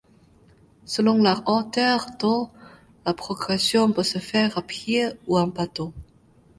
Selon la hauteur d'eau, la progression peut se faire à pied ou en bateau.